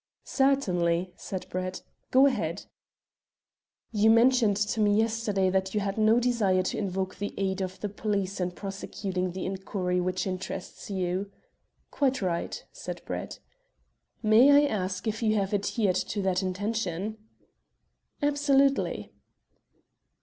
"Certainly," said Brett; "go ahead." "You mentioned to me yesterday that you had no desire to invoke the aid of the police in prosecuting the inquiry which interests you." "Quite right," said Brett. "May I ask if you have adhered to that intention?" "Absolutely."